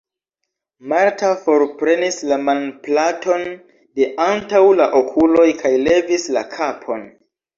Marta forprenis la manplaton de antaŭ la okuloj kaj levis la kapon.